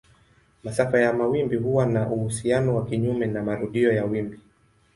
Masafa ya mawimbi huwa na uhusiano wa kinyume na marudio ya wimbi.